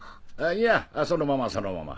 いやそのままそのまま。